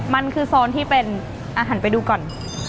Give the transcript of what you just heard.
มันคือโซนที่เป็นหันไปดูก่อน